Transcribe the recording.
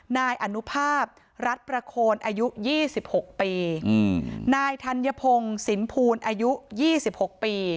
นายอนุภาพรัฐประโคนอายุ๒๖ปีนายธัญพงศ์สินภูลอายุ๒๖ปี